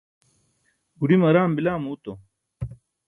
guḍime araam bila muuto